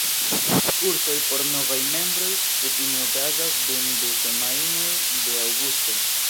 Kursoj por novaj membroj kutime okazas dum du semajnoj de aŭgusto.